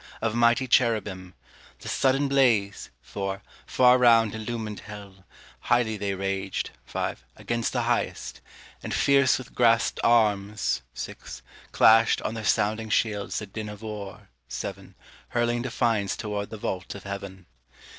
Of mighty cherubim: the sudden blaze 4. Far round illumin'd hell; highly they rag'd 5. Against the Highest; and fierce with grasped arms 6. Clash'd on their sounding shields the din of war, 7. Hurling defiance tow'rd the Vault of heaven.